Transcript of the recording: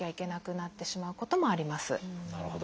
なるほど。